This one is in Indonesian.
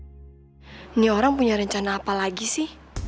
ini orang punya rencana apa lagi sih